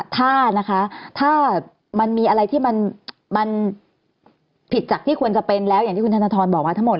ถ้านะคะถ้ามันมีอะไรที่มันผิดจากที่ควรจะเป็นแล้วอย่างที่คุณธนทรบอกมาทั้งหมด